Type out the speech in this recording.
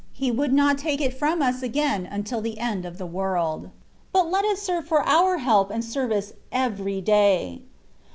He would not take it from us again till the end of the world; but let it serve for our help and service every day.